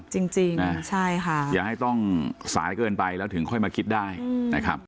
จริงใช่ค่ะอย่าให้ต้องสายเกินไปแล้วถึงค่อยมาคิดได้นะครับ